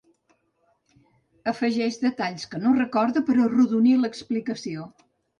Afegeix detalls que no recorda per arrodonir l'explicació.